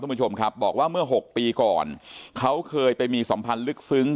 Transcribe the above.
คุณผู้ชมครับบอกว่าเมื่อ๖ปีก่อนเขาเคยไปมีสัมพันธ์ลึกซึ้ง